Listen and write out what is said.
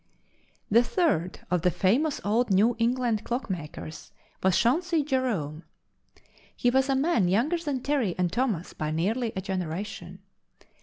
The third of the famous old New England clock makers was Chauncey Jerome. He was a man younger than Terry and Thomas by nearly a generation.